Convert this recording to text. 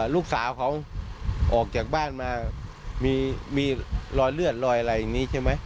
ลูกสาวเขาออกจากบ้านมามีรอยเลือดรอยอะไรอย่างนี้ใช่ไหม